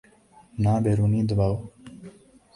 نہ بیرونی دباؤ۔